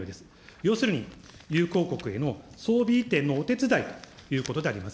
要するに友好国への装備移転のお手伝いということであります。